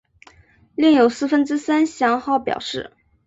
另有四分之三降号表示。